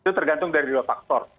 itu tergantung dari dua faktor